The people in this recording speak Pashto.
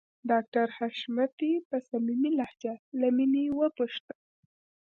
ډاکټر حشمتي په صميمي لهجه له مينې وپوښتل